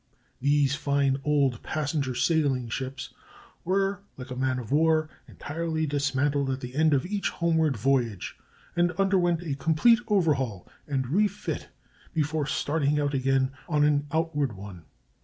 These fine old passenger sailing ships were, like a man of war, entirely dismantled at the end of each homeward voyage, and underwent a complete overhaul and refit before starting out again on an outward one.